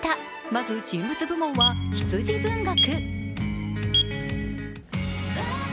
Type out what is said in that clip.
まず人物部門は羊文学。